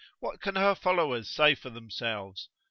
what can her followers say for themselves?